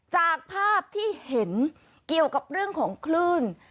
จากภาพที่เห็นเกี่ยวกับเรื่องของคลื่น